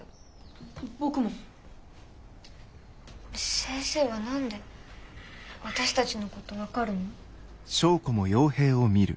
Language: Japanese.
先生は何で私たちのこと分かるの？